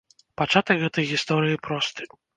Пачатак гэтай гісторыі просты.